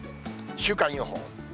週間予報。